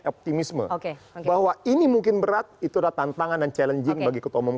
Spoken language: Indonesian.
optimisme ok bahwa ini mungkin berat itulah tantangan dan challenging bagi keutohan umum